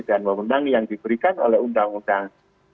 dan memenang yang diberikan oleh undang undang